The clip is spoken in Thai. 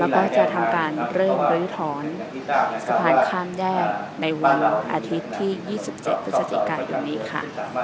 แล้วก็จะทำการเริ่มลื้อถอนสะพานข้ามแยกในวันอาทิตย์ที่๒๗พฤศจิกายนนี้ค่ะ